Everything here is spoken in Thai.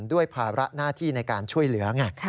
ด้วยภาระหน้าที่ในการช่วยเหลือไง